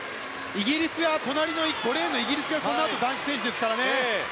隣、５レーンのイギリスがこのあと、男子選手ですからね。